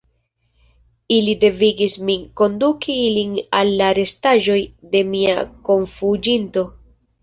Ili devigis min konduki ilin al la restaĵoj de mia kunfuĝinto.